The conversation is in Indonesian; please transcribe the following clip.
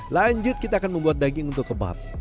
lanjut kita akan membuat daging untuk kebab